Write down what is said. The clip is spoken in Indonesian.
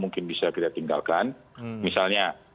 kita tinggalkan misalnya